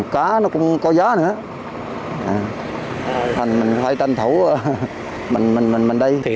cá nó cũng có giá nữa thành mình phải tranh thủ mình đi